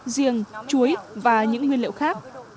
riêng chuối và những nguyên liệu khác